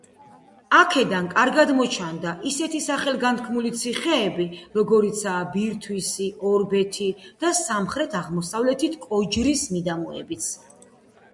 აქედან კარგად მოჩანდა ისეთი სახელგანთქმული ციხეები, როგორიცაა ბირთვისი, ორბეთი და სამხრეთ-აღმოსავლეთით კოჯრის მიდამოებიც.